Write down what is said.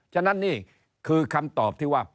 ฉะนั้นนี่คือคำตอบที่ว่า